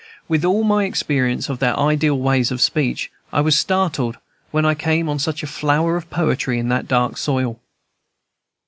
With all my experience of their ideal ways of speech, I was startled when first I came on such a flower of poetry in that dark soil.